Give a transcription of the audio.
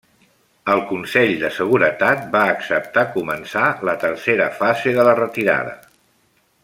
El Consell de Seguretat va acceptar començar la tercera fase de la retirada.